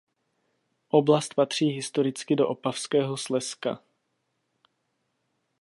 Oblast patří historicky do opavského Slezska.